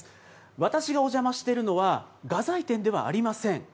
私がお邪魔しているのは、画材店ではありません。